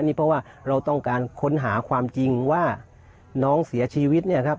นี่เพราะว่าเราต้องการค้นหาความจริงว่าน้องเสียชีวิตเนี่ยครับ